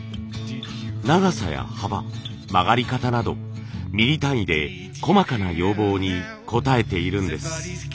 長さや幅曲がり方などミリ単位で細かな要望に応えているんです。